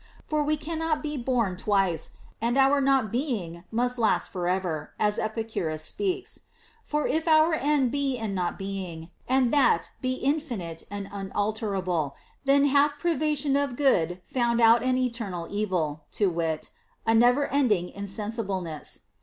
For we cannot be born twice, and our not being must last for ever ; as Epicurus speaks. For if our end be in not being, and that be infinite and unalterable, then hath privation of good found out an eternal evil, to wit, a never ending insensibleness.